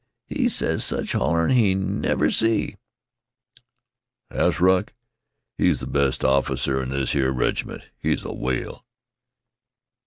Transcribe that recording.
He ses sech hollerin' he never see." "Hasbrouck? He's th' best off'cer in this here reg'ment. He's a whale."